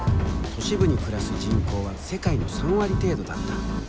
都市部に暮らす人口は世界の３割程度だった。